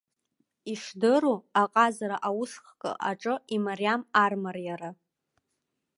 Ишдыру, аҟазара аусхк аҿы имариам армариара.